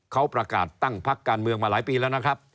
เขาประกาศตั้งพักการเมืองมาหลายปีแล้วนะครับ